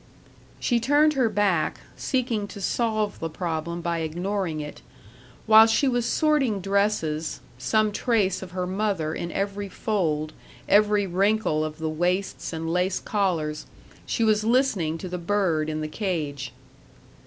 She turned her back, seeking to solve the problem by ignoring it. While she was sorting dresses some trace of her mother in every fold, every wrinkle of the waists and lace collars she was listening to the bird in the cage.